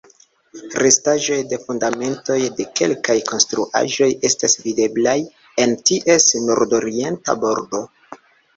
Restaĵoj de fundamentoj de kelkaj konstruaĵoj estas videblaj en ties nordorienta bordo.